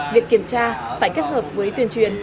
việc kiểm tra phải kết hợp với tuyên truyền